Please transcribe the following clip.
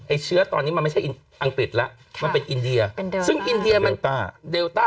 เชื้อตอนนี้มันไม่ใช่อังกฤษแล้วมันเป็นอินเดียอินเดียซึ่งอินเดียมันเดลต้า